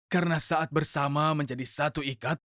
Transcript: karena saat bersama menjadi satu ikat